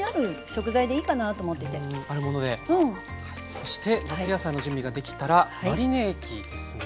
そして夏野菜の準備ができたらマリネ液ですね。